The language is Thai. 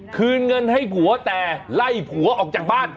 คืนเงินให้ผัวแต่ไล่ผัวออกจากบ้าน